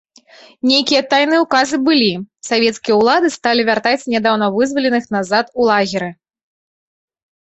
Нейкія тайныя ўказы былі, савецкія ўлады сталі вяртаць нядаўна вызваленых назад у лагеры.